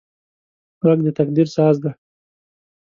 غږ د تقدیر ساز دی